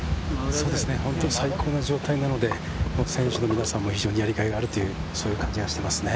最高の状態なので、選手の皆さんも非常にやりがいがあるというそういう感じはしていますね。